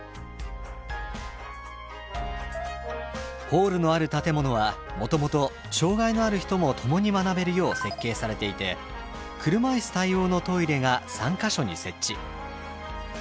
ホールのある建物はもともと障害のある人も共に学べるよう設計されていて車いす対応のトイレが３か所に設置。